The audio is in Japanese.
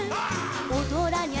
「おどらにゃ